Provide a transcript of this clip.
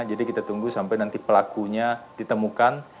jadi kita tunggu sampai nanti pelakunya ditemukan